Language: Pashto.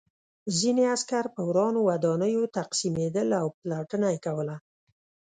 ځینې عسکر په ورانو ودانیو تقسیمېدل او پلټنه یې کوله